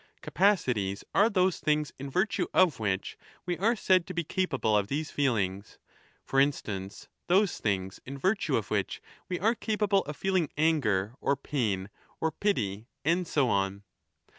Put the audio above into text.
Capacities are those things in virtue of which we are said 15 to be capable of these feelings ; for instance, those things in virtue of which we are capable of feeling anger or pain or pity, and so on.